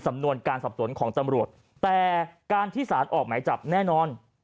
สำนวนการสอบสวนของตำรวจแต่การที่สารออกหมายจับแน่นอน